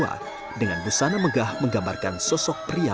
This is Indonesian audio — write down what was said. ada banyak ragam pertunjukan tari topeng di bali